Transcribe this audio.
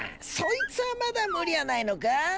そいつぁまだ無理やないのか？